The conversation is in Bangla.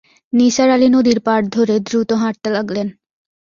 নিসার আলি নদীর পাড় ধরে দ্রুত হাঁটতে লাগলেন।